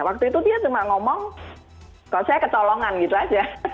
waktu itu dia cuma ngomong kalau saya ketolongan gitu aja